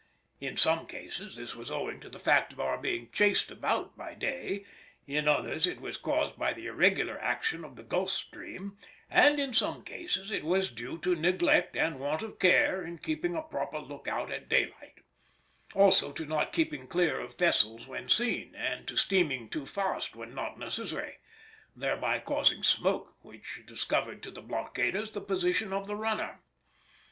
In some cases this was owing to the fact of our being chased about by day; in others it was caused by the irregular action of the Gulf stream; and in some cases it was due to neglect and want of care in keeping a proper look out at daylight; also to not keeping clear of vessels when seen, and to steaming too fast when not necessary, thereby causing smoke, which discovered to the blockaders the position of the runner.